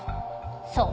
そう。